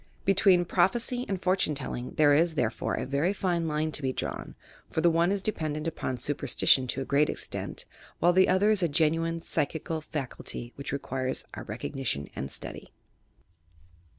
Between "Prophecy" and "Fortune Telling" there is, therefore, a very fine line to be drawn, for the one ia dependent upon superstition to a great extent, while the other ia a genuine psychical faculty which requires our recognition and study.